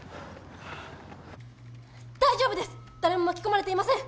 大丈夫です誰も巻き込まれていません！